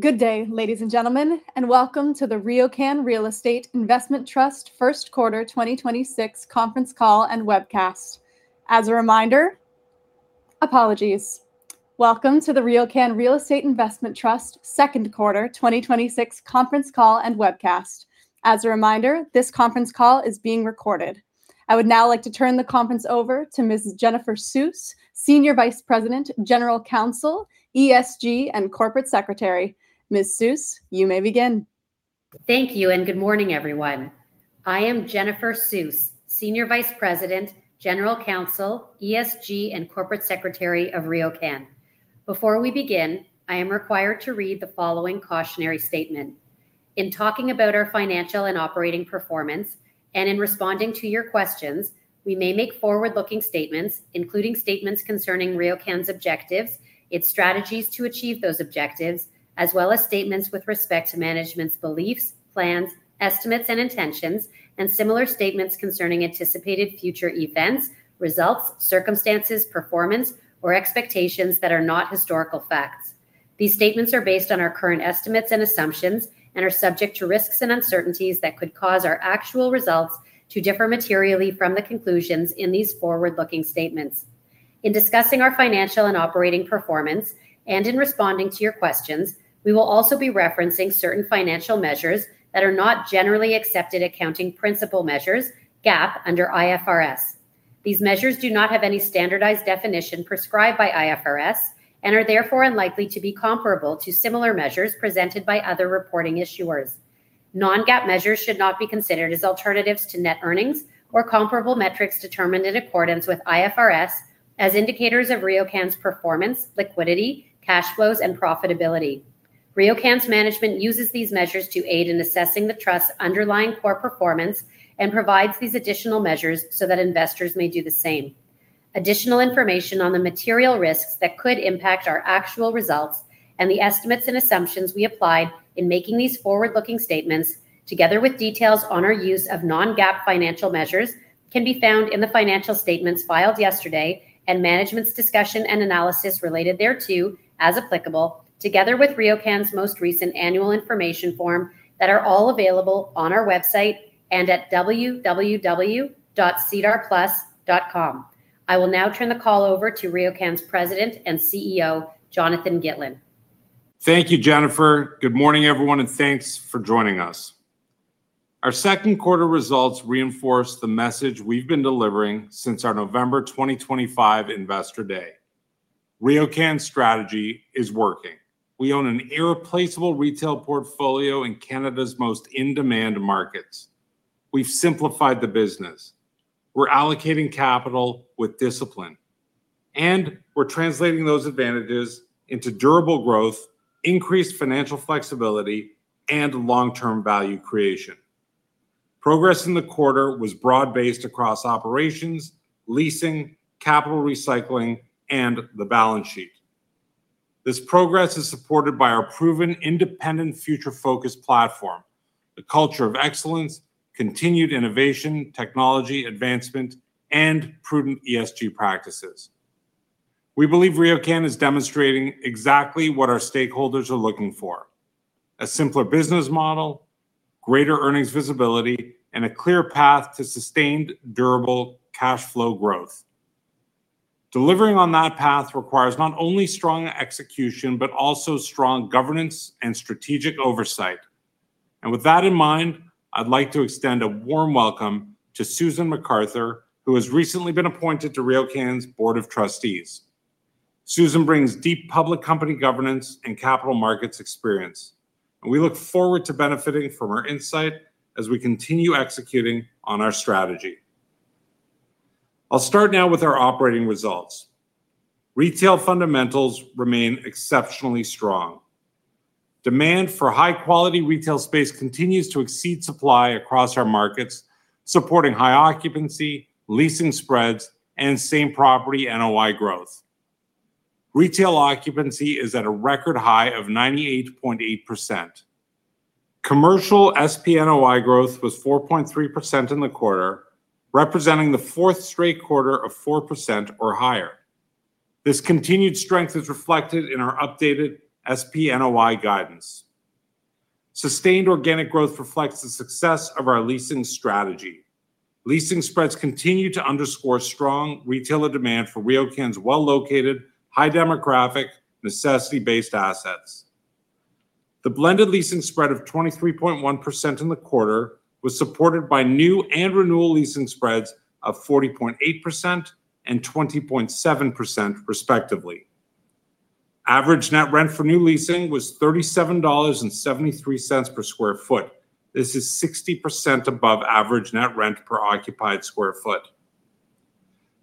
Good day, ladies and gentlemen. Welcome to the RioCan Real Estate Investment Trust first quarter 2026 conference call and webcast. Apologies. Welcome to the RioCan Real Estate Investment Trust second quarter 2026 conference call and webcast. As a reminder, this conference call is being recorded. I would now like to turn the conference over to Ms. Jennifer Suess, Senior Vice President, General Counsel, ESG, and Corporate Secretary. Ms. Suess, you may begin. Thank you. Good morning, everyone. I am Jennifer Suess, Senior Vice President, General Counsel, ESG, and Corporate Secretary of RioCan. Before we begin, I am required to read the following cautionary statement. In talking about our financial and operating performance, in responding to your questions, we may make forward-looking statements, including statements concerning RioCan's objectives, its strategies to achieve those objectives, as well as statements with respect to management's beliefs, plans, estimates and intentions, and similar statements concerning anticipated future events, results, circumstances, performance, or expectations that are not historical facts. These statements are based on our current estimates and assumptions and are subject to risks and uncertainties that could cause our actual results to differ materially from the conclusions in these forward-looking statements. In discussing our financial and operating performance, in responding to your questions, we will also be referencing certain financial measures that are not generally accepted accounting principle measures, GAAP under IFRS. These measures do not have any standardized definition prescribed by IFRS and are therefore unlikely to be comparable to similar measures presented by other reporting issuers. Non-GAAP measures should not be considered as alternatives to net earnings or comparable metrics determined in accordance with IFRS as indicators of RioCan's performance, liquidity, cash flows and profitability. RioCan's management uses these measures to aid in assessing the trust's underlying core performance and provides these additional measures so that investors may do the same. Additional information on the material risks that could impact our actual results, the estimates and assumptions we applied in making these forward-looking statements, together with details on our use of non-GAAP financial measures, can be found in the financial statements filed yesterday and management's discussion and analysis related thereto, as applicable, together with RioCan's most recent annual information form that are all available on our website and at www.sedarplus.com. I will now turn the call over to RioCan's President and CEO, Jonathan Gitlin. Thank you, Jennifer. Good morning, everyone, and thanks for joining us. Our second quarter results reinforce the message we've been delivering since our November 2025 Investor Day. RioCan's strategy is working. We own an irreplaceable retail portfolio in Canada's most in-demand markets. We've simplified the business. We're allocating capital with discipline, and we're translating those advantages into durable growth, increased financial flexibility, and long-term value creation. Progress in the quarter was broad-based across operations, leasing, capital recycling, and the balance sheet. This progress is supported by our proven independent future-focused platform, a culture of excellence, continued innovation, technology advancement, and prudent ESG practices. We believe RioCan is demonstrating exactly what our stakeholders are looking for: a simpler business model, greater earnings visibility, and a clear path to sustained, durable cash flow growth. Delivering on that path requires not only strong execution, but also strong governance and strategic oversight. With that in mind, I'd like to extend a warm welcome to Susan McArthur, who has recently been appointed to RioCan's Board of Trustees. Susan brings deep public company governance and capital markets experience, and we look forward to benefiting from her insight as we continue executing on our strategy. I'll start now with our operating results. Retail fundamentals remain exceptionally strong. Demand for high-quality retail space continues to exceed supply across our markets, supporting high occupancy, leasing spreads, and same property NOI growth. Retail occupancy is at a record high of 98.8%. Commercial SPNOI growth was 4.3% in the quarter, representing the fourth straight quarter of 4% or higher. This continued strength is reflected in our updated SPNOI guidance. Sustained organic growth reflects the success of our leasing strategy. Leasing spreads continue to underscore strong retailer demand for RioCan's well-located, high demographic, necessity-based assets. The blended leasing spread of 23.1% in the quarter was supported by new and renewal leasing spreads of 40.8% and 20.7% respectively. Average net rent for new leasing was 37.73 dollars per square foot. This is 60% above average net rent per occupied square foot.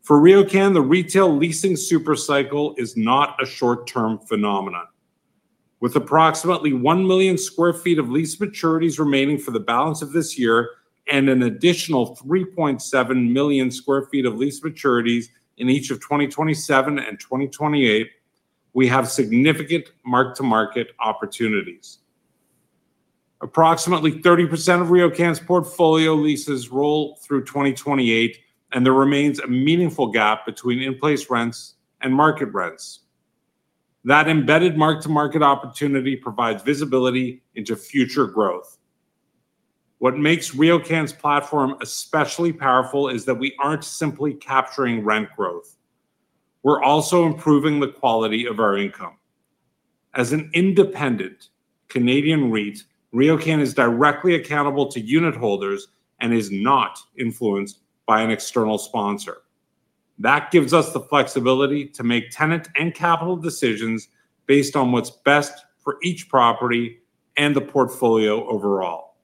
For RioCan, the retail leasing super cycle is not a short-term phenomenon. With approximately 1 million square feet of lease maturities remaining for the balance of this year and an additional 3.7 million square feet of lease maturities in each of 2027 and 2028, we have significant mark-to-market opportunities. Approximately 30% of RioCan's portfolio leases roll through 2028, and there remains a meaningful gap between in-place rents and market rents. That embedded mark-to-market opportunity provides visibility into future growth. What makes RioCan's platform especially powerful is that we aren't simply capturing rent growth. We're also improving the quality of our income. As an independent Canadian REIT, RioCan is directly accountable to unit holders and is not influenced by an external sponsor. That gives us the flexibility to make tenant and capital decisions based on what's best for each property and the portfolio overall.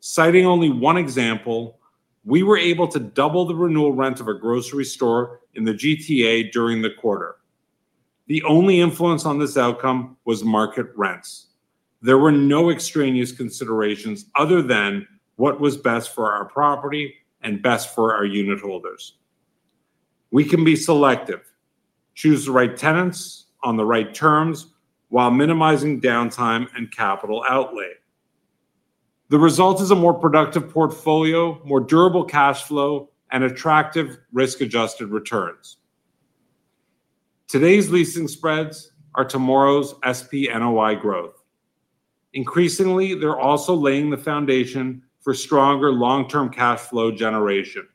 Citing only one example, we were able to double the renewal rent of a grocery store in the GTA during the quarter. The only influence on this outcome was market rents. There were no extraneous considerations other than what was best for our property and best for our unit holders. We can be selective, choose the right tenants on the right terms while minimizing downtime and capital outlay. The result is a more productive portfolio, more durable cash flow, and attractive risk-adjusted returns. Today's leasing spreads are tomorrow's SPNOI growth. Increasingly, they're also laying the foundation for stronger long-term cash flow generation.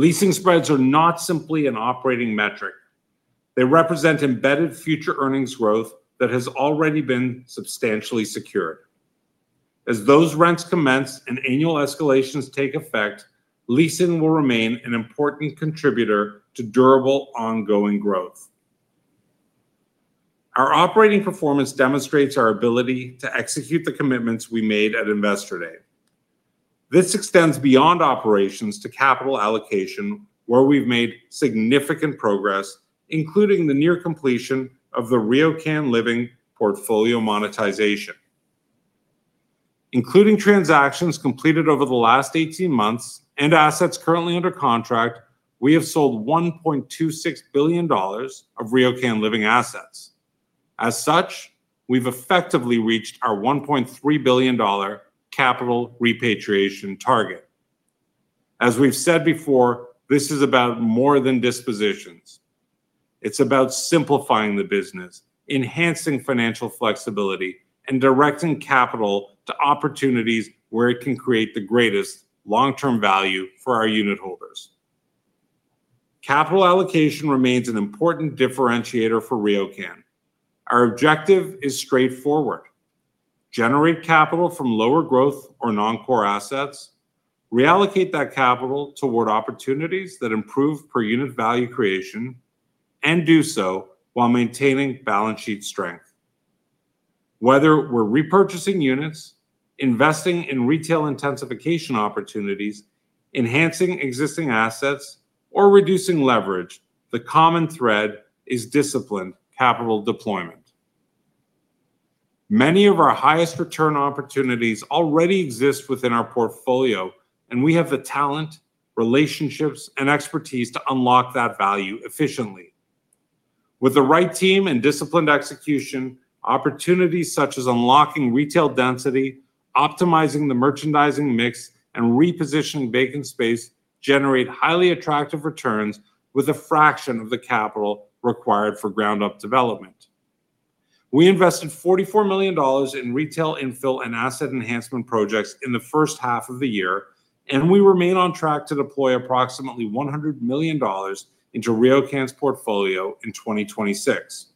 Leasing spreads are not simply an operating metric. They represent embedded future earnings growth that has already been substantially secured. As those rents commence and annual escalations take effect, leasing will remain an important contributor to durable, ongoing growth. Our operating performance demonstrates our ability to execute the commitments we made at Investor Day. This extends beyond operations to capital allocation, where we've made significant progress, including the near completion of the RioCan Living portfolio monetization. Including transactions completed over the last 18 months and assets currently under contract, we have sold 1.26 billion dollars of RioCan Living assets. We've effectively reached our 1.3 billion dollar capital repatriation target. We've said before, this is about more than dispositions. It's about simplifying the business, enhancing financial flexibility, and directing capital to opportunities where it can create the greatest long-term value for our unit holders. Capital allocation remains an important differentiator for RioCan. Our objective is straightforward: generate capital from lower growth or non-core assets, reallocate that capital toward opportunities that improve per unit value creation, and do so while maintaining balance sheet strength. Whether we're repurchasing units, investing in retail intensification opportunities, enhancing existing assets, or reducing leverage, the common thread is disciplined capital deployment. Many of our highest return opportunities already exist within our portfolio, and we have the talent, relationships, and expertise to unlock that value efficiently. With the right team and disciplined execution, opportunities such as unlocking retail density, optimizing the merchandising mix, and repositioning vacant space generate highly attractive returns with a fraction of the capital required for ground-up development. We invested 44 million dollars in retail infill and asset enhancement projects in the first half of the year, and we remain on track to deploy approximately 100 million dollars into RioCan's portfolio in 2026.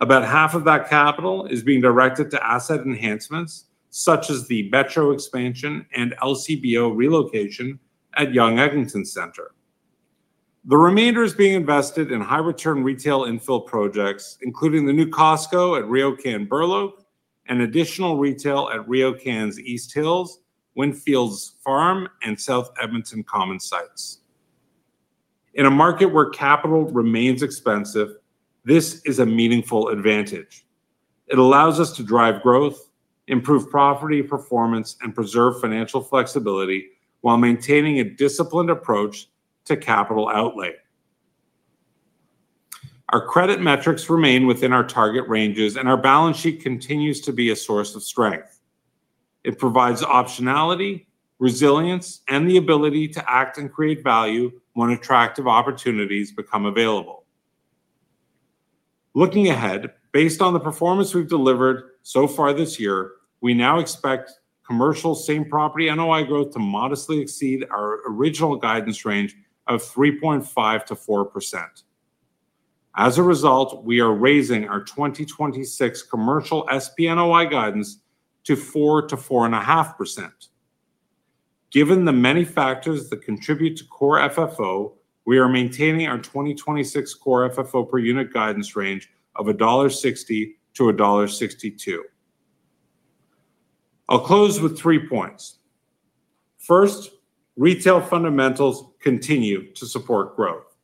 About half of that capital is being directed to asset enhancements, such as the Metro expansion and LCBO relocation at Yonge Eglinton Centre. The remainder is being invested in high return retail infill projects, including the new Costco at RioCan Burloak and additional retail at RioCan's East Hills, Windfields Farm, and South Edmonton Common sites. In a market where capital remains expensive, this is a meaningful advantage. It allows us to drive growth, improve property performance, and preserve financial flexibility while maintaining a disciplined approach to capital outlay. Our credit metrics remain within our target ranges, and our balance sheet continues to be a source of strength. It provides optionality, resilience, and the ability to act and create value when attractive opportunities become available. Looking ahead, based on the performance we've delivered so far this year, we now expect commercial same-property NOI growth to modestly exceed our original guidance range of 3.5%-4%. As a result, we are raising our 2026 commercial SPNOI guidance to 4%-4.5%. Given the many factors that contribute to core FFO, we are maintaining our 2026 core FFO per unit guidance range of 1.60-1.62 dollar. I'll close with three points. First, retail fundamentals continue to support growth.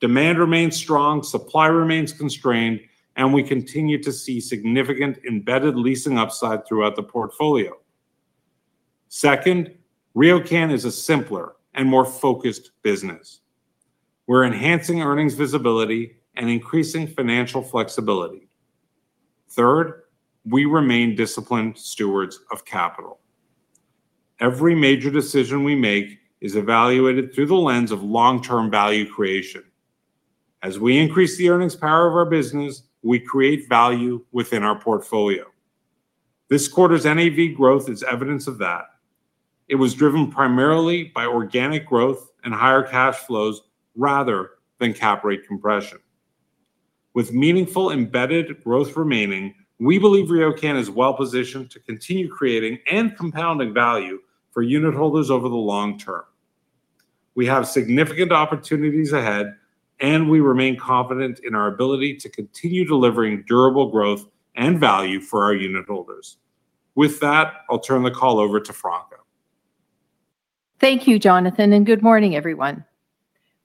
Demand remains strong, supply remains constrained, and we continue to see significant embedded leasing upside throughout the portfolio. Second, RioCan is a simpler and more focused business. We're enhancing earnings visibility and increasing financial flexibility. Third, we remain disciplined stewards of capital. Every major decision we make is evaluated through the lens of long-term value creation. As we increase the earnings power of our business, we create value within our portfolio. This quarter's NAV growth is evidence of that. It was driven primarily by organic growth and higher cash flows rather than cap rate compression. With meaningful embedded growth remaining, we believe RioCan is well-positioned to continue creating and compounding value for unitholders over the long term. We have significant opportunities ahead, and we remain confident in our ability to continue delivering durable growth and value for our unitholders. With that, I'll turn the call over to Franca. Thank you, Jonathan, and good morning, everyone.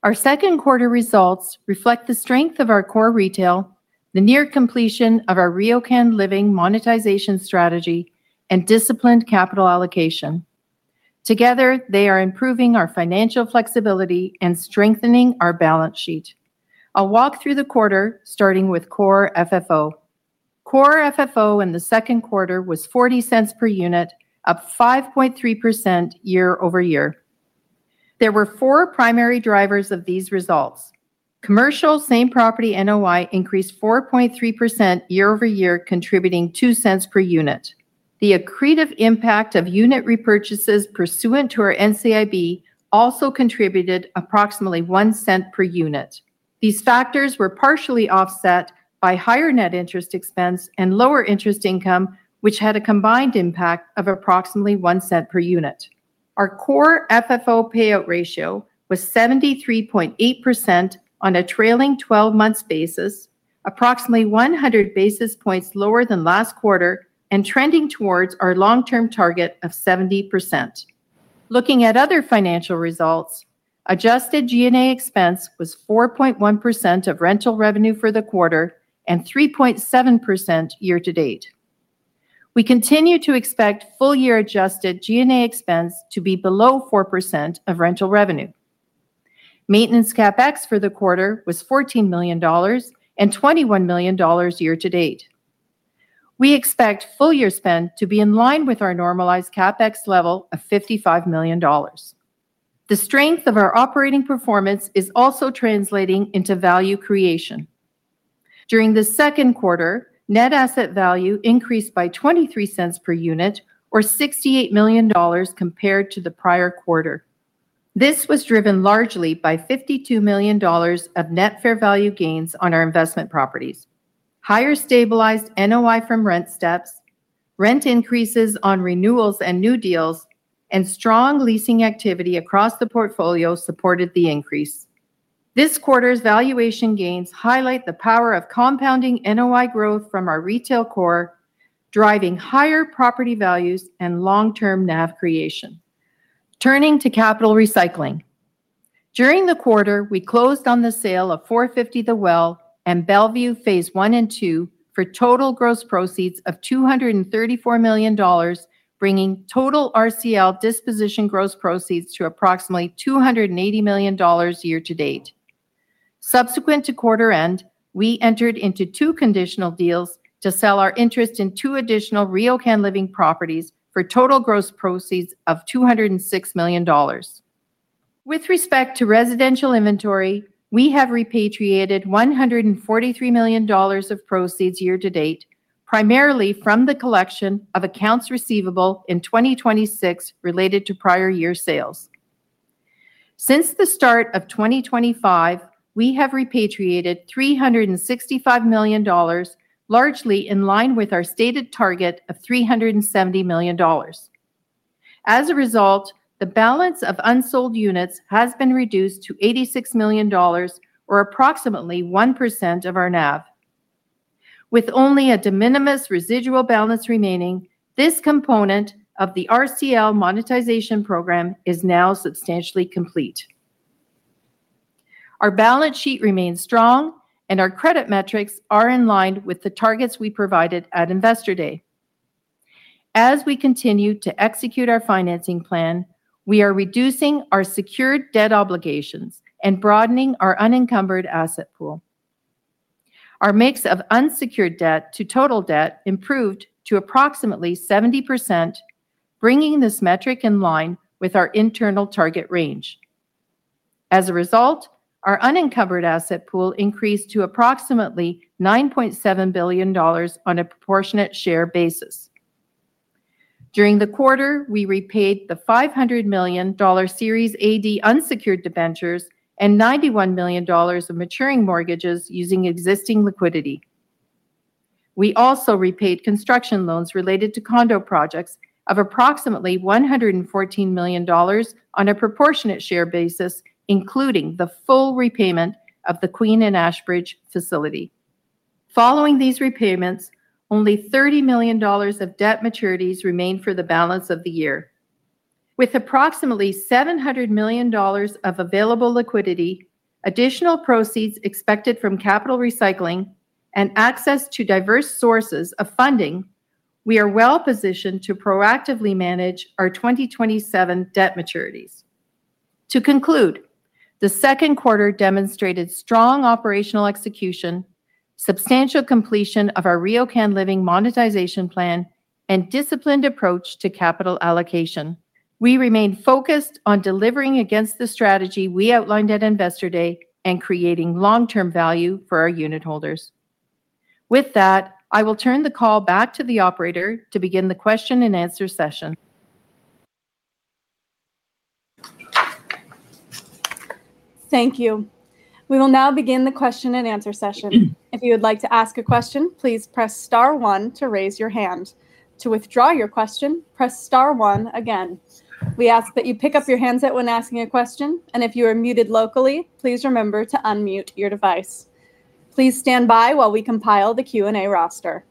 Our second quarter results reflect the strength of our core retail, the near completion of our RioCan Living monetization strategy, and disciplined capital allocation. Together, they are improving our financial flexibility and strengthening our balance sheet. I'll walk through the quarter starting with core FFO. Core FFO in the second quarter was 0.40 per unit, up 5.3% year-over-year. There were four primary drivers of these results. Commercial same-property NOI increased 4.3% year-over-year, contributing 0.02 per unit. The accretive impact of unit repurchases pursuant to our NCIB also contributed approximately 0.01 per unit. These factors were partially offset by higher net interest expense and lower interest income, which had a combined impact of approximately 0.01 per unit. Our core FFO payout ratio was 73.8% on a trailing 12 months basis, approximately 100 basis points lower than last quarter and trending towards our long-term target of 70%. Looking at other financial results, adjusted G&A expense was 4.1% of rental revenue for the quarter and 3.7% year-to-date. We continue to expect full year adjusted G&A expense to be below 4% of rental revenue. Maintenance CapEx for the quarter was 14 million dollars and 21 million dollars year-to-date. We expect full year spend to be in line with our normalized CapEx level of 55 million dollars. The strength of our operating performance is also translating into value creation. During the second quarter, net asset value increased by 0.23 per unit or 68 million dollars compared to the prior quarter. This was driven largely by 52 million dollars of net fair value gains on our investment properties. Higher stabilized NOI from rent steps, rent increases on renewals and new deals, and strong leasing activity across the portfolio supported the increase. This quarter's valuation gains highlight the power of compounding NOI growth from our retail core, driving higher property values and long-term NAV creation. Turning to capital recycling. During the quarter, we closed on the sale of FourFifty The Well and Bellevue Phase One and Two for total gross proceeds of 234 million dollars, bringing total RCL disposition gross proceeds to approximately 280 million dollars year-to-date. Subsequent to quarter end, we entered into two conditional deals to sell our interest in two additional RioCan Living properties for total gross proceeds of 206 million dollars. With respect to residential inventory, we have repatriated 143 million dollars of proceeds year-to-date, primarily from the collection of accounts receivable in 2026 related to prior year sales. Since the start of 2025, we have repatriated 365 million dollars, largely in line with our stated target of 370 million dollars. As a result, the balance of unsold units has been reduced to 86 million dollars or approximately 1% of our NAV. With only a de minimis residual balance remaining, this component of the RCL monetization program is now substantially complete. Our balance sheet remains strong, and our credit metrics are in line with the targets we provided at Investor Day. As we continue to execute our financing plan, we are reducing our secured debt obligations and broadening our unencumbered asset pool. Our mix of unsecured debt to total debt improved to approximately 70%, bringing this metric in line with our internal target range. As a result, our unencumbered asset pool increased to approximately 9.7 billion dollars on a proportionate share basis. During the quarter, we repaid the 500 million dollar Series AD unsecured debentures and 91 million dollars of maturing mortgages using existing liquidity. We also repaid construction loans related to condo projects of approximately 114 million dollars on a proportionate share basis, including the full repayment of the Queen & Ashbridge facility. Following these repayments, only 30 million dollars of debt maturities remain for the balance of the year. With approximately 700 million dollars of available liquidity, additional proceeds expected from capital recycling Access to diverse sources of funding, we are well-positioned to proactively manage our 2027 debt maturities. To conclude, the second quarter demonstrated strong operational execution, substantial completion of our RioCan Living monetization plan, and disciplined approach to capital allocation. We remain focused on delivering against the strategy we outlined at Investor Day and creating long-term value for our unitholders. With that, I will turn the call back to the operator to begin the question and answer session. Thank you. We will now begin the question and answer session. If you would like to ask a question, please press star one to raise your hand. To withdraw your question, press star one again. We ask that you pick up your handset when asking a question, and if you are muted locally, please remember to unmute your device. Please stand by while we compile the Q&A roster.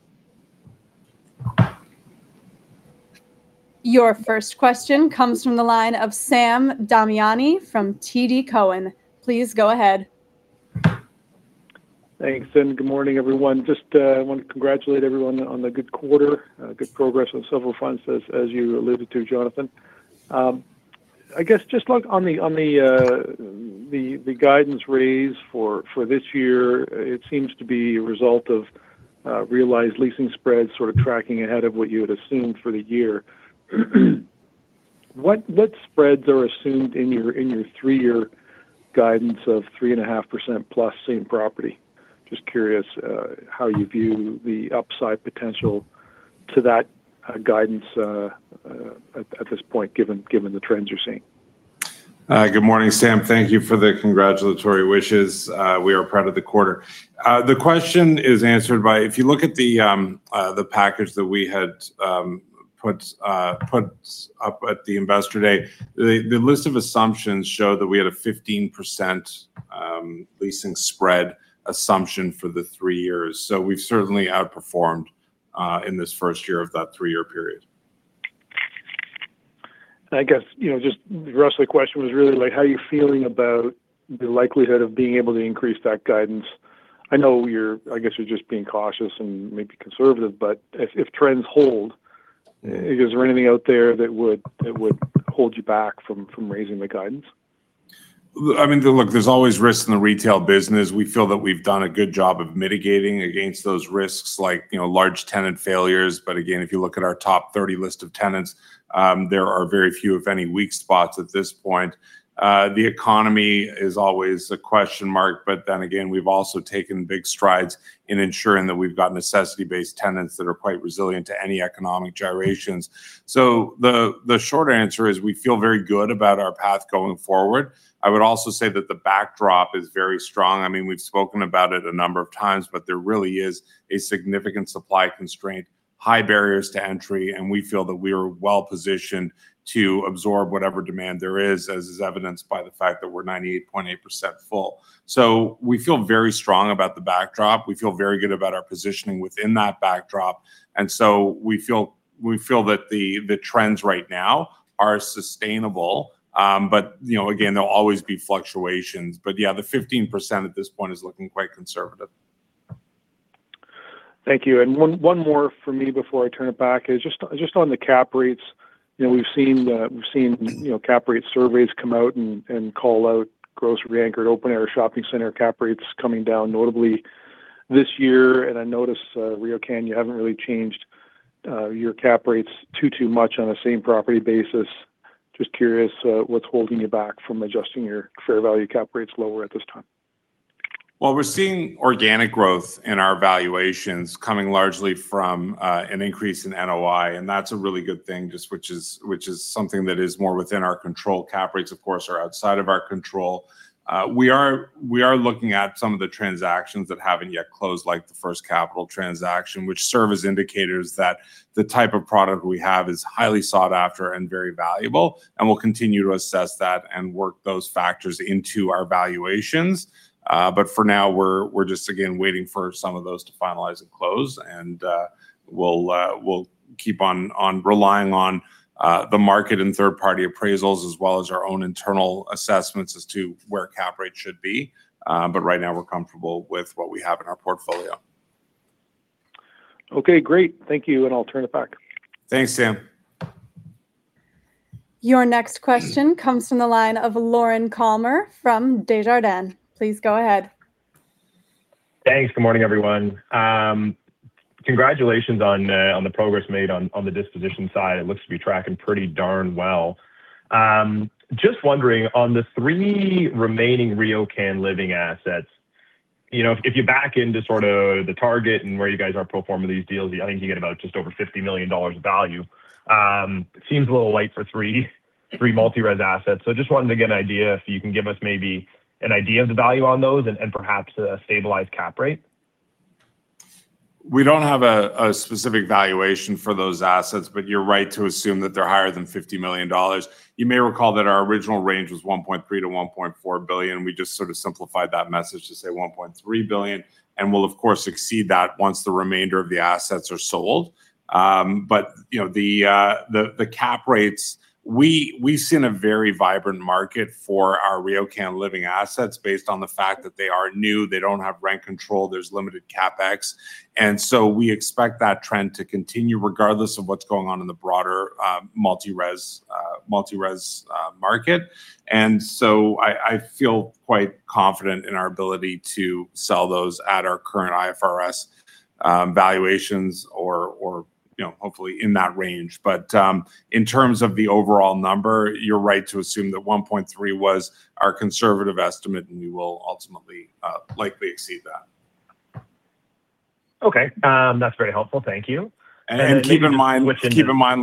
Your first question comes from the line of Sam Damiani from TD Cowen. Please go ahead. Thanks. Good morning, everyone. I just want to congratulate everyone on the good quarter, good progress on several fronts as you alluded to, Jonathan. I guess, just on the guidance raise for this year, it seems to be a result of realized leasing spreads sort of tracking ahead of what you had assumed for the year. What spreads are assumed in your three-year guidance of 3.5%+ same property? Just curious how you view the upside potential to that guidance at this point, given the trends you're seeing. Good morning, Sam. Thank you for the congratulatory wishes. We are proud of the quarter. The question is answered by, if you look at the package that we had put up at the Investor Day, the list of assumptions show that we had a 15% leasing spread assumption for the three years. We've certainly outperformed in this first year of that three-year period. I guess, just the rest of the question was really how you're feeling about the likelihood of being able to increase that guidance. I know you're just being cautious and maybe conservative. If trends hold, is there anything out there that would hold you back from raising the guidance? Look, there's always risks in the retail business. We feel that we've done a good job of mitigating against those risks like large tenant failures. Again, if you look at our top 30 list of tenants, there are very few, if any, weak spots at this point. The economy is always a question mark. Again, we've also taken big strides in ensuring that we've got necessity-based tenants that are quite resilient to any economic gyrations. The short answer is we feel very good about our path going forward. I would also say that the backdrop is very strong. We've spoken about it a number of times. There really is a significant supply constraint, high barriers to entry, and we feel that we are well-positioned to absorb whatever demand there is, as is evidenced by the fact that we're 98.8% full. We feel very strong about the backdrop. We feel very good about our positioning within that backdrop, we feel that the trends right now are sustainable. Again, there'll always be fluctuations. Yeah, the 15% at this point is looking quite conservative. Thank you. One more from me before I turn it back is just on the cap rates. We've seen cap rate surveys come out and call out grocery anchored open-air shopping center cap rates coming down notably this year, I notice, RioCan, you haven't really changed your cap rates too much on a same property basis. Just curious what's holding you back from adjusting your fair value cap rates lower at this time? We're seeing organic growth in our valuations coming largely from an increase in NOI, that's a really good thing, which is something that is more within our control. Cap rates, of course, are outside of our control. We are looking at some of the transactions that haven't yet closed, like the First Capital transaction, which serve as indicators that the type of product we have is highly sought after and very valuable, we'll continue to assess that and work those factors into our valuations. For now we're just, again, waiting for some of those to finalize and close, we'll keep on relying on the market and third-party appraisals, as well as our own internal assessments as to where cap rates should be. Right now we're comfortable with what we have in our portfolio. Great. Thank you, I'll turn it back. Thanks, Sam. Your next question comes from the line of Lorne Kalmar from Desjardins. Please go ahead. Thanks. Good morning, everyone. Congratulations on the progress made on the disposition side. It looks to be tracking pretty darn well. Wondering on the three remaining RioCan Living assets, if you back into sort of the target and where you guys are pro forma these deals, I think you get about just over 50 million dollars of value. Seems a little light for three multi-res assets. Just wanted to get an idea if you can give us maybe an idea of the value on those and perhaps a stabilized cap rate? We don't have a specific valuation for those assets, you're right to assume that they're higher than 50 million dollars. You may recall that our original range was 1.3 billion-1.4 billion. We just sort of simplified that message to say 1.3 billion, we'll of course exceed that once the remainder of the assets are sold. The cap rates, we've seen a very vibrant market for our RioCan Living assets based on the fact that they are new, they don't have rent control, there's limited CapEx. We expect that trend to continue regardless of what's going on in the broader multi-res market. I feel quite confident in our ability to sell those at our current IFRS valuations or hopefully in that range. In terms of the overall number, you're right to assume that 1.3 billion was our conservative estimate, and we will ultimately likely exceed that. Okay. That's very helpful. Thank you. Keep in mind,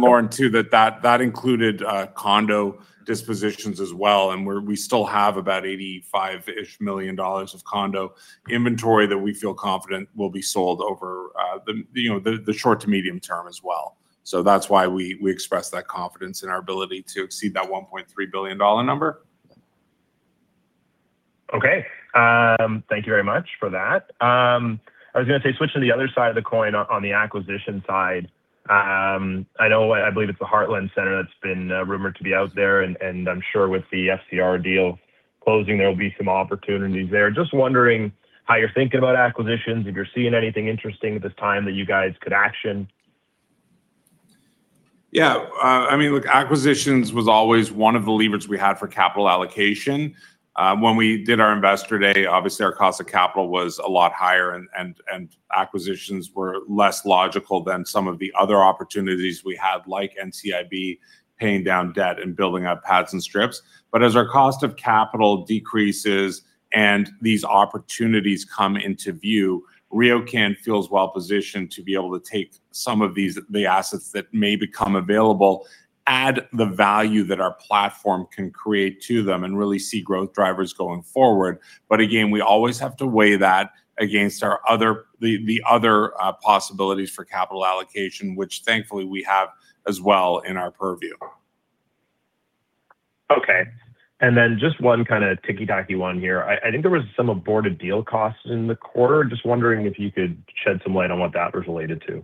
Lorne, too, that that included condo dispositions as well, and we still have about 85-ish million dollars of condo inventory that we feel confident will be sold over the short to medium term as well. That's why we express that confidence in our ability to exceed that 1.3 billion dollar number. Okay. Thank you very much for that. I was going to say, switching to the other side of the coin, on the acquisition side. I believe it's the Heartland Centre that's been rumored to be out there, and I'm sure with the FCR deal closing, there will be some opportunities there. Just wondering how you're thinking about acquisitions, if you're seeing anything interesting at this time that you guys could action. Yeah. Look, acquisitions was always one of the levers we had for capital allocation. When we did our Investor Day, obviously our cost of capital was a lot higher and acquisitions were less logical than some of the other opportunities we had, like NCIB, paying down debt and building up pads and strips. As our cost of capital decreases and these opportunities come into view, RioCan feels well positioned to be able to take some of the assets that may become available, add the value that our platform can create to them, and really see growth drivers going forward. Again, we always have to weigh that against the other possibilities for capital allocation, which thankfully we have as well in our purview. Okay. Just one kind of ticky-tacky one here. I think there was some aborted deal costs in the quarter. Just wondering if you could shed some light on what that was related to.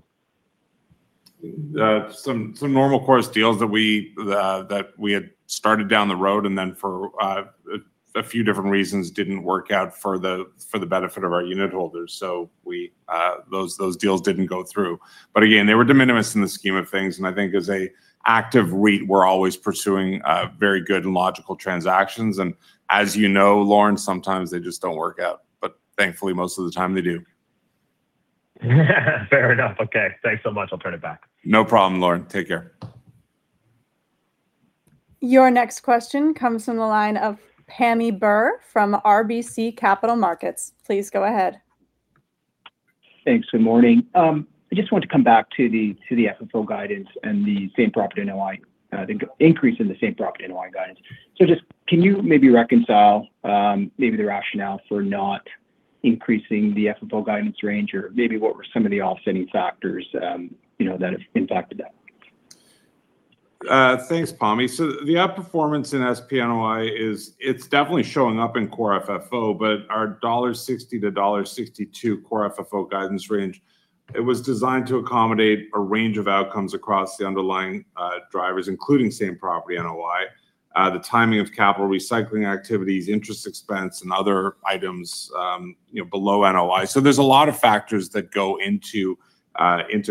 Some normal course deals that we had started down the road for a few different reasons didn't work out for the benefit of our unit holders, so those deals didn't go through. Again, they were de minimis in the scheme of things, and I think as a active REIT, we're always pursuing very good and logical transactions. As you know, Lorne, sometimes they just don't work out, but thankfully most of the time they do. Fair enough. Okay. Thanks so much. I'll turn it back. No problem, Lorne. Take care. Your next question comes from the line of Pammi Bir from RBC Capital Markets. Please go ahead. Thanks. Good morning. Just want to come back to the FFO guidance and the same property NOI and the increase in the same property NOI. Just can you maybe reconcile maybe the rationale for not increasing the FFO guidance range? Or maybe what were some of the offsetting factors that have impacted that? Thanks, Pammi. The outperformance in SPNOI, it's definitely showing up in core FFO, but our 1.60-1.62 dollar core FFO guidance range, it was designed to accommodate a range of outcomes across the underlying drivers, including same property NOI, the timing of capital recycling activities, interest expense, and other items below NOI. There's a lot of factors that go into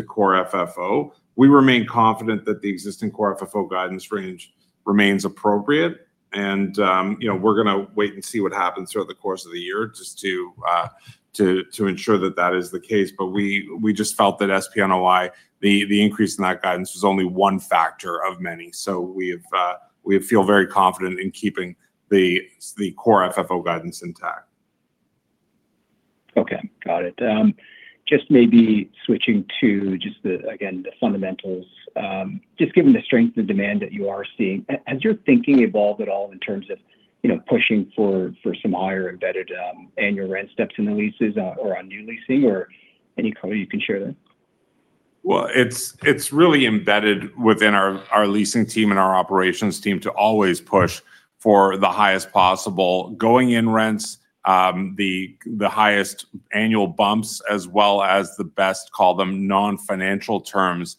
core FFO. We remain confident that the existing core FFO guidance range remains appropriate. And we're going to wait and see what happens throughout the course of the year just to ensure that that is the case. But we just felt that SPNOI, the increase in that guidance was only one factor of many. We feel very confident in keeping the core FFO guidance intact. Okay. Got it. Maybe switching to, again, the fundamentals. Given the strength and demand that you are seeing, has your thinking evolved at all in terms of pushing for some higher embedded annual rent steps in the leases or on new leasing? Any color you can share there? Well, it's really embedded within our leasing team and our operations team to always push for the highest possible going-in rents, the highest annual bumps, as well as the best, call them non-financial terms.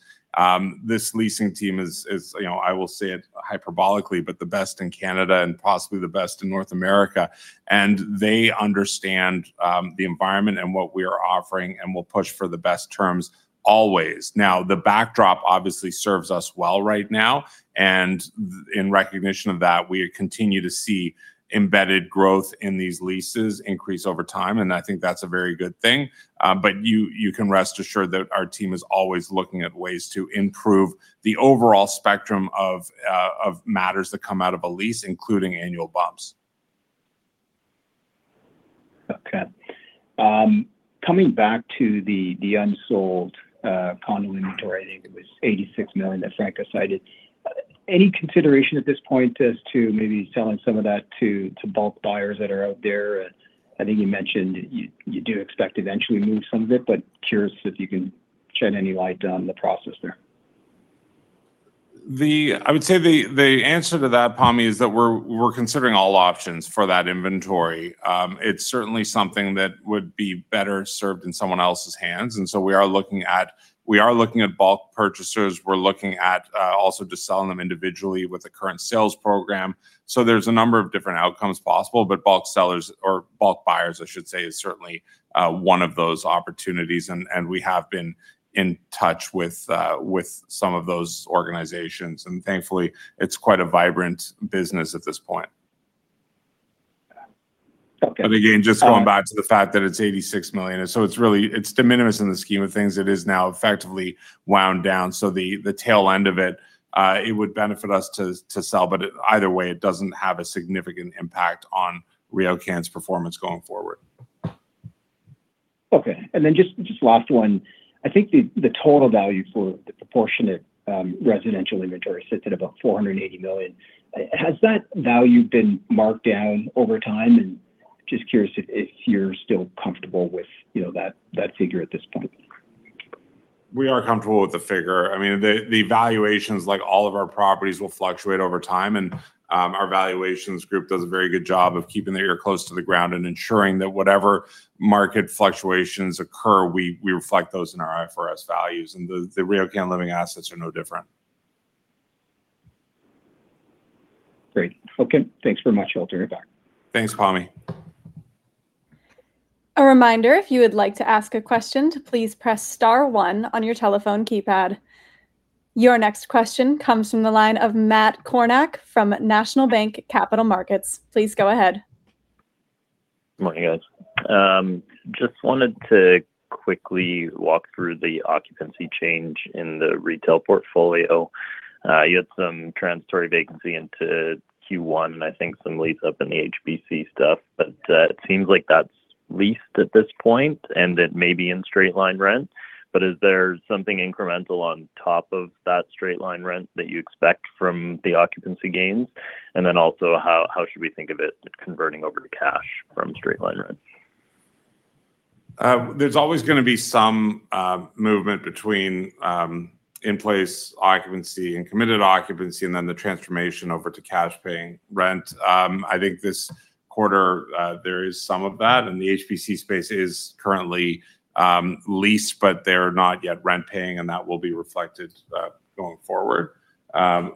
This leasing team is, I will say it hyperbolically, but the best in Canada and possibly the best in North America. They understand the environment and what we are offering and will push for the best terms always. Now, the backdrop obviously serves us well right now, and in recognition of that, we continue to see embedded growth in these leases increase over time, and I think that's a very good thing. You can rest assured that our team is always looking at ways to improve the overall spectrum of matters that come out of a lease, including annual bumps. Okay. Coming back to the unsold condo inventory, I think it was 86 million that Franca cited. Any consideration at this point as to maybe selling some of that to bulk buyers that are out there? I think you mentioned you do expect to eventually move some of it, but curious if you can shed any light on the process there. I would say the answer to that, Pammi, is that we're considering all options for that inventory. It's certainly something that would be better served in someone else's hands, and so we are looking at bulk purchasers. We're looking at also just selling them individually with the current sales program. There's a number of different outcomes possible, but bulk sellers, or bulk buyers I should say, is certainly one of those opportunities, and we have been in touch with some of those organizations. Thankfully, it's quite a vibrant business at this point. Okay. Again, just going back to the fact that it's 86 million. It's de minimis in the scheme of things. It is now effectively wound down, so the tail end of it would benefit us to sell. Either way, it doesn't have a significant impact on RioCan's performance going forward. Okay. Just last one. I think the total value for the proportionate residential inventory sits at about 480 million. Has that value been marked down over time? Just curious if you're still comfortable with that figure at this point. We are comfortable with the figure. The valuations, like all of our properties, will fluctuate over time, and our valuations group does a very good job of keeping their ear close to the ground and ensuring that whatever market fluctuations occur, we reflect those in our IFRS values, and the RioCan Living assets are no different. Great. Okay. Thanks very much. I'll turn it back. Thanks, Pammi. A reminder, if you would like to ask a question, to please press star one on your telephone keypad. Your next question comes from the line of Matt Kornack from National Bank Capital Markets. Please go ahead. Morning, guys. Just wanted to quickly walk through the occupancy change in the retail portfolio. You had some transitory vacancy into Q1, I think some lease up in the HBC stuff. It seems like that's leased at this point and it may be in straight line rent. Is there something incremental on top of that straight line rent that you expect from the occupancy gains? Also, how should we think of it converting over to cash from straight line rent? There's always going to be some movement between in-place occupancy and committed occupancy, then the transformation over to cash paying rent. I think this quarter, there is some of that, the HBC space is currently leased, they're not yet rent paying, and that will be reflected going forward. Sorry.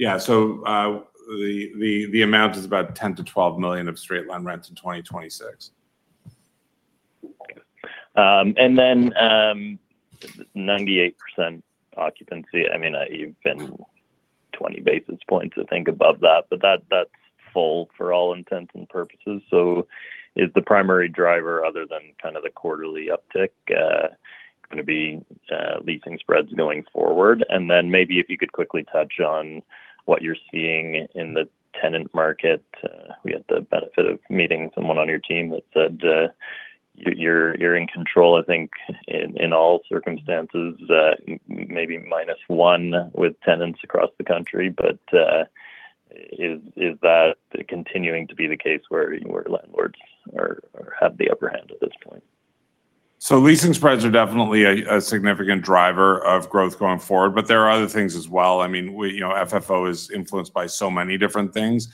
Yeah. The amount is about 10 million-12 million of straight line rents in 2026. 98% occupancy. You've been 20 basis points, I think, above that, but that's full for all intents and purposes. Is the primary driver other than kind of the quarterly uptick going to be leasing spreads going forward? Maybe if you could quickly touch on what you're seeing in the tenant market. We had the benefit of meeting someone on your team that said you're in control, I think, in all circumstances, maybe -1 with tenants across the country. Is that continuing to be the case where landlords have the upper hand at this point? Leasing spreads are definitely a significant driver of growth going forward, but there are other things as well. FFO is influenced by so many different things.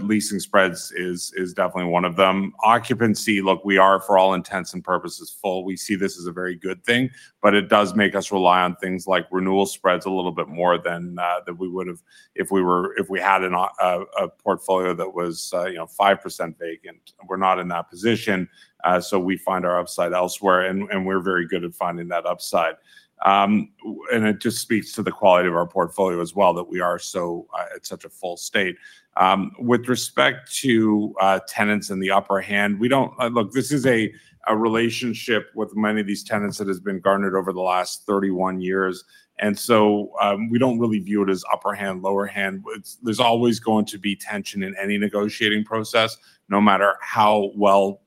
Leasing spreads is definitely one of them. Occupancy, look, we are, for all intents and purposes, full. We see this as a very good thing. It does make us rely on things like renewal spreads a little bit more than we would've if we had a portfolio that was 5% vacant. We're not in that position, we find our upside elsewhere, and we're very good at finding that upside. It just speaks to the quality of our portfolio as well, that we are at such a full state. With respect to tenants in the upper hand, look, this is a relationship with many of these tenants that has been garnered over the last 31 years. We don't really view it as upper hand, lower hand. There's always going to be tension in any negotiating process, no matter how well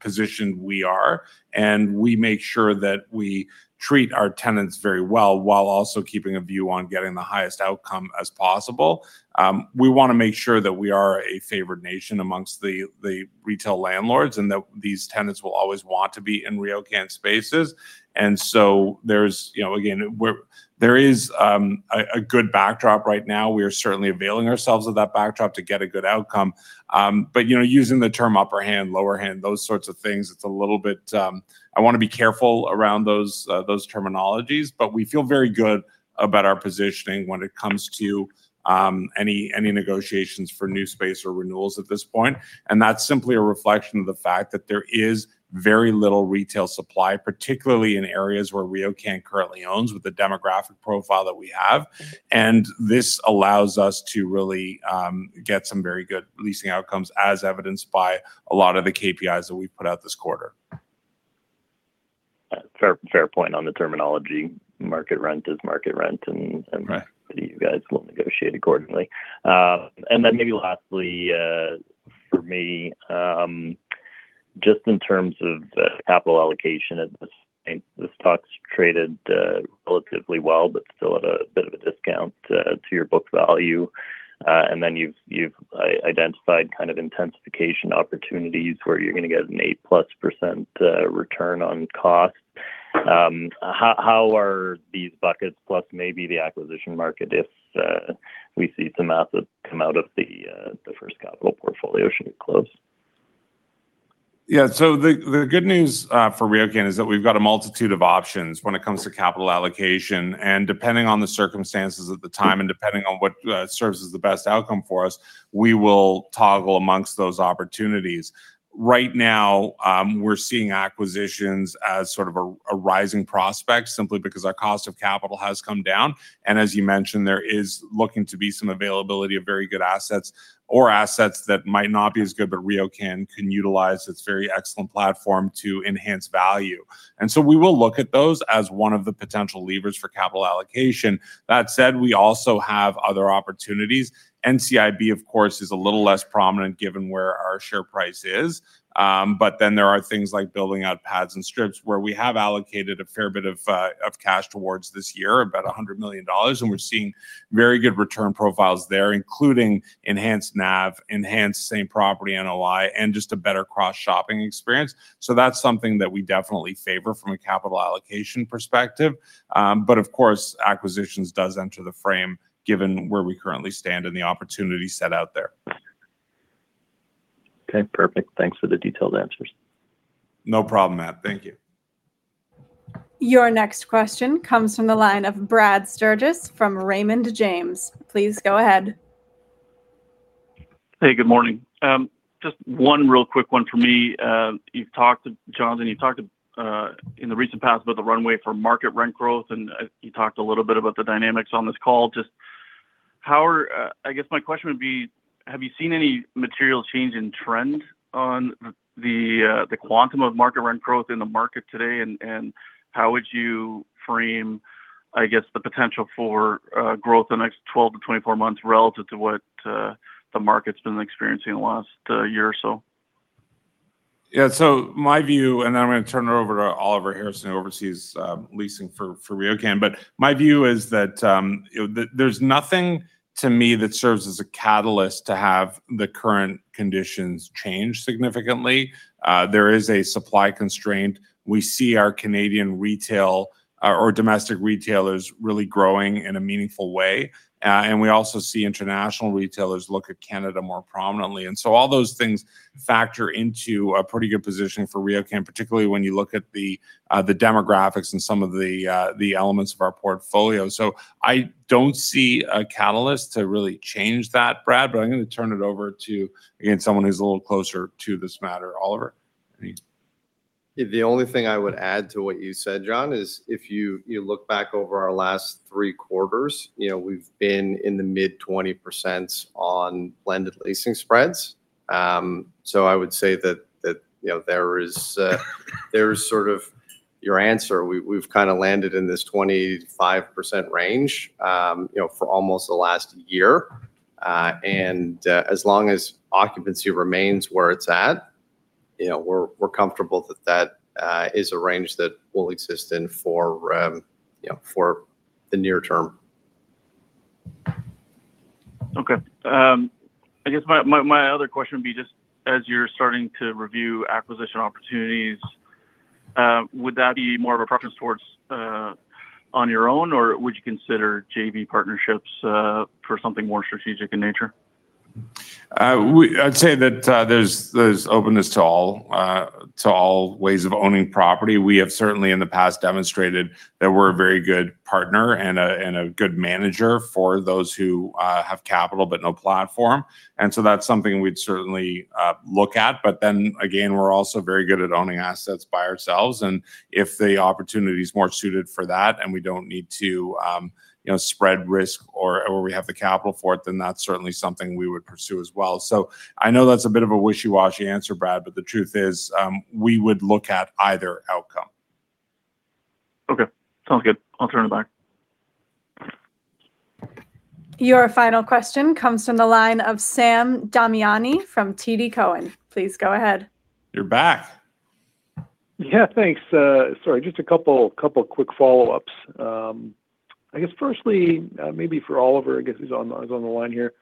positioned we are. We make sure that we treat our tenants very well while also keeping a view on getting the highest outcome as possible. We want to make sure that we are a favored nation amongst the retail landlords and that these tenants will always want to be in RioCan spaces. There's, again, there is a good backdrop right now. We are certainly availing ourselves of that backdrop to get a good outcome. Using the term upper hand, lower hand, those sorts of things, I want to be careful around those terminologies. We feel very good about our positioning when it comes to any negotiations for new space or renewals at this point. That's simply a reflection of the fact that there is very little retail supply, particularly in areas where RioCan currently owns with the demographic profile that we have. This allows us to really get some very good leasing outcomes, as evidenced by a lot of the KPIs that we put out this quarter. Fair point on the terminology. Market rent is market rent. Right You guys will negotiate accordingly. Maybe lastly, for me, just in terms of the capital allocation, this stock's traded relatively well, but still at a bit of a discount to your book value. You've identified kind of intensification opportunities where you're going to get an 8%+ return on cost. How are these buckets plus maybe the acquisition market if we see some assets come out of the First Capital portfolio should it close? Yeah. The good news for RioCan is that we've got a multitude of options when it comes to capital allocation, and depending on the circumstances at the time and depending on what serves as the best outcome for us, we will toggle amongst those opportunities. Right now, we're seeing acquisitions as sort of a rising prospect simply because our cost of capital has come down. As you mentioned, there is looking to be some availability of very good assets or assets that might not be as good, but RioCan can utilize its very excellent platform to enhance value. We will look at those as one of the potential levers for capital allocation. That said, we also have other opportunities. NCIB, of course, is a little less prominent given where our share price is. There are things like building out pads and strips where we have allocated a fair bit of cash towards this year, about 100 million dollars. We're seeing very good return profiles there, including enhanced NAV, enhanced same property NOI, and just a better cross-shopping experience. That's something that we definitely favor from a capital allocation perspective. Of course, acquisitions does enter the frame given where we currently stand in the opportunity set out there. Okay, perfect. Thanks for the detailed answers. No problem, Matt. Thank you. Your next question comes from the line of Brad Sturges from Raymond James. Please go ahead. Hey, good morning. Just one real quick one for me. You've talked, Jonathan, you've talked in the recent past about the runway for market rent growth, and you talked a little bit about the dynamics on this call. I guess my question would be, have you seen any material change in trend on the quantum of market rent growth in the market today, and how would you frame, I guess, the potential for growth in the next 12-24 months relative to what the market's been experiencing in the last year or so? My view, and then I'm going to turn it over to Oliver Harrison who oversees leasing for RioCan, my view is that there's nothing to me that serves as a catalyst to have the current conditions change significantly. There is a supply constraint. We see our Canadian retail or domestic retailers really growing in a meaningful way. We also see international retailers look at Canada more prominently, all those things factor into a pretty good positioning for RioCan, particularly when you look at the demographics and some of the elements of our portfolio. I don't see a catalyst to really change that, Brad, but I'm going to turn it over to, again, someone who's a little closer to this matter. Oliver. The only thing I would add to what you said, Jon, is if you look back over our last three quarters, we've been in the mid 20% on blended leasing spreads. I would say that there is sort of your answer. We've kind of landed in this 25% range for almost the last year. As long as occupancy remains where it's at, we're comfortable that that is a range that will exist in for the near term. Okay. I guess my other question would be just as you're starting to review acquisition opportunities, would that be more of a preference towards on your own, or would you consider JV partnerships for something more strategic in nature? I'd say that there's openness to all ways of owning property. We have certainly in the past demonstrated that we're a very good partner and a good manager for those who have capital but no platform. That's something we'd certainly look at, we're also very good at owning assets by ourselves, if the opportunity is more suited for that and we don't need to spread risk or we have the capital for it, that's certainly something we would pursue as well. I know that's a bit of a wishy-washy answer, Brad, the truth is, we would look at either outcome. Okay. Sounds good. I'll turn it back. Your final question comes from the line of Sam Damiani from TD Cowen. Please go ahead. You're back. Yeah, thanks. Sorry, just a couple quick follow-ups. I guess firstly, maybe for Oliver, I guess he's on the line here.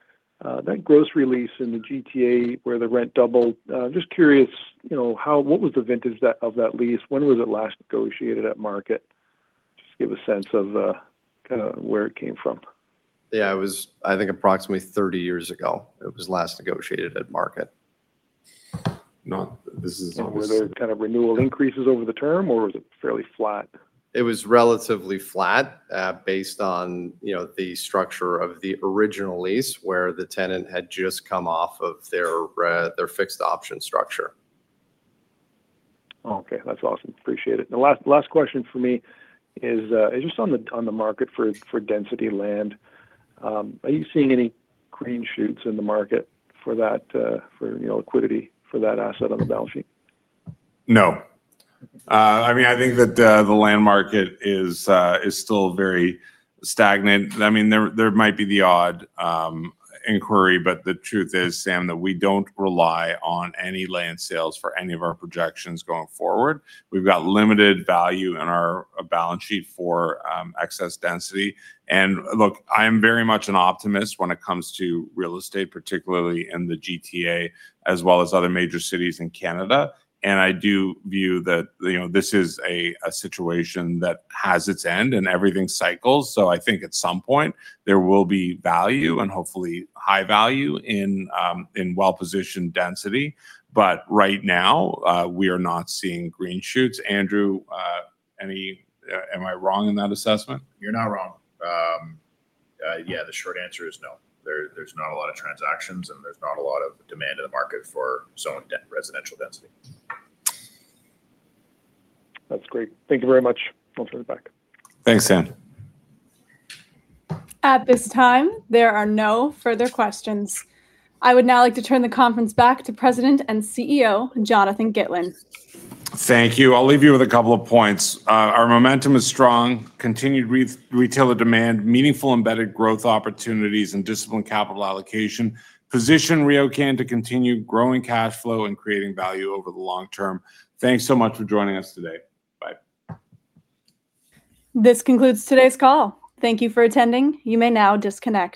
That gross lease in the GTA where the rent doubled, just curious, what was the vintage of that lease? When was it last negotiated at market? Just give a sense of kind of where it came from. Yeah, it was I think approximately 30 years ago it was last negotiated at market. This is obviously- Were there renewal increases over the term, or was it fairly flat? It was relatively flat based on the structure of the original lease where the tenant had just come off of their fixed option structure. Okay. That's awesome. Appreciate it. The last question from me is just on the market for density land. Are you seeing any green shoots in the market for liquidity for that asset on the balance sheet? No. I think that the land market is still very stagnant. There might be the odd inquiry, but the truth is, Sam, that we don't rely on any land sales for any of our projections going forward. We've got limited value in our balance sheet for excess density. Look, I am very much an optimist when it comes to real estate, particularly in the GTA as well as other major cities in Canada. I do view that this is a situation that has its end, and everything cycles. I think at some point there will be value and hopefully high value in well-positioned density. Right now, we are not seeing green shoots. Andrew, am I wrong in that assessment? You're not wrong. Yeah, the short answer is no. There's not a lot of transactions, and there's not a lot of demand in the market for zone residential density. That's great. Thank you very much. I'll turn it back. Thanks, Sam. At this time, there are no further questions. I would now like to turn the conference back to President and CEO, Jonathan Gitlin. Thank you. I'll leave you with a couple of points. Our momentum is strong. Continued retailer demand, meaningful embedded growth opportunities, and disciplined capital allocation position RioCan to continue growing cash flow and creating value over the long term. Thanks so much for joining us today. Bye. This concludes today's call. Thank you for attending. You may now disconnect.